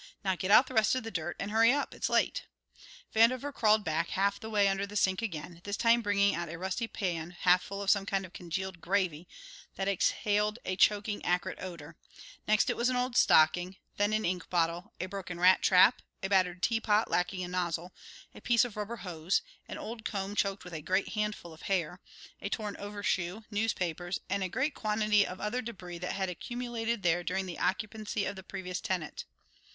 Now get out the rest of the dirt, and hurry up, it's late." Vandover crawled back, half the way under the sink again, this time bringing out a rusty pan half full of some kind of congealed gravy that exhaled a choking, acrid odour; next it was an old stocking, and then an ink bottle, a broken rat trap, a battered teapot lacking a nozzle, a piece of rubber hose, an old comb choked with a great handful of hair, a torn overshoe, newspapers, and a great quantity of other debris that had accumulated there during the occupancy of the previous tenant.